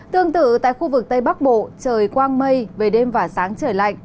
tương tự tại khu vực tây bắc bộ trời quang mây về đêm và sáng trời lạnh